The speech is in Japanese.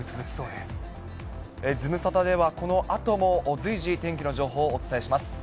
ズムサタではこのあとも随時、天気の情報をお伝えします。